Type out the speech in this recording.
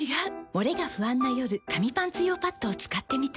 モレが不安な夜紙パンツ用パッドを使ってみた。